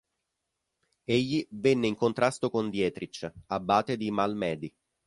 Egli venne in contrasto con Dietrich, abate di Malmedy.